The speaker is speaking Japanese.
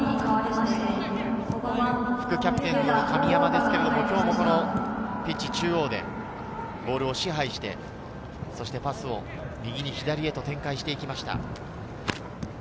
副キャプテンの神山ですが、今日もこのピッチ中央でボールを支配してパスを右に左へと展開してきました。